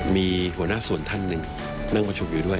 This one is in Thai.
มีหัวหน้าส่วนท่านหนึ่งนั่งประชุมอยู่ด้วย